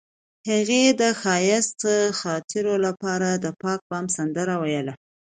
هغې د ښایسته خاطرو لپاره د پاک بام سندره ویله.